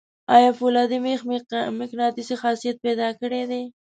آیا فولادي میخ مقناطیسي خاصیت پیدا کړی دی؟